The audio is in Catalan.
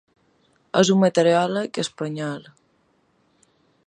És un meteoròleg espanyol.